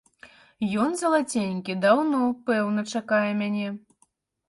Ён, залаценькі, даўно, пэўна, чакае мяне.